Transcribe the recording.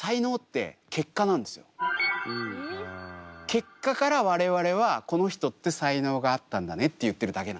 結果から我々はこの人って才能があったんだねって言ってるだけなんですよ。